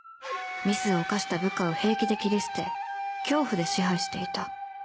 ミスを犯した部下を平気で切り捨て恐怖で支配していた